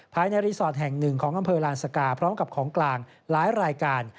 ภายในรีสอร์ทแห่งหนึ่งของอำเภอลานสกาพร้อมกับของกลางหลายรายการ